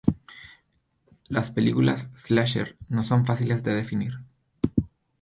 Las películas "slasher" no son fáciles de definir.